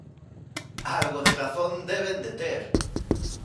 ¡Algo de razón deben de ter!